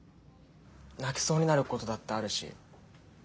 泣きそうになることだってあるし。